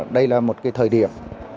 đây là một thời điểm